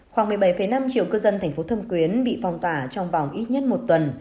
khoảng một mươi bảy năm triệu cư dân thành phố thâm quyến bị phong tỏa trong vòng ít nhất một tuần